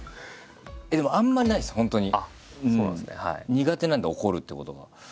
苦手なんで怒るっていうことが。